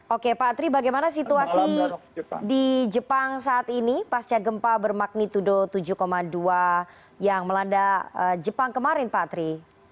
oke pak tri bagaimana situasi di jepang saat ini pasca gempa bermagnitudo tujuh dua yang melanda jepang kemarin pak tri